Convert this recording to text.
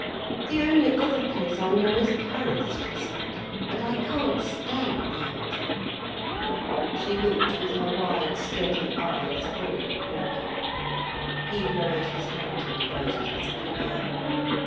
"The only other place I know is Paris," she said, "and I can't stand that." She looked with her wide, steady eyes full at Loerke. He lowered his head and averted his face.